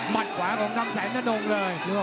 ฟันทำแสนทนงเลย